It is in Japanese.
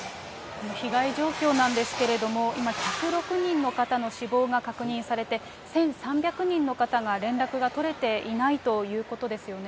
被害状況なんですけれども、今、１０６人の方の死亡が確認されて、１３００人の方が連絡が取れていないということですよね。